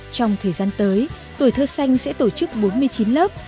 trong thời gian tới tuổi thơ xanh sẽ tổ chức bốn mươi chín lớp